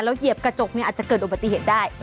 หยียบกระจกนี้อาจจะเกิดโอบติเหตุได้